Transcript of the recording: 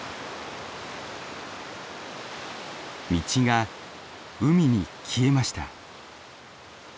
道が海に消えました。